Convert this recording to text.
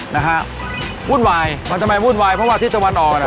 นะฮะวุ่นวายมันทำไมวุ่นวายเพราะว่าที่ตะวันออกเนี่ย